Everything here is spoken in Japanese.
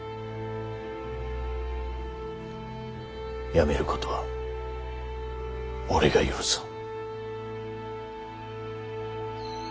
辞めることは俺が許さん。